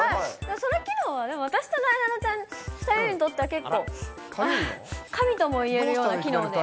その機能は、私となえなのちゃん、２人にとっては、結構、神ともいえるような機能で。